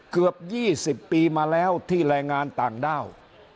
เกือบ๒๐ปีมาแล้วที่แรงงานต่างด้าว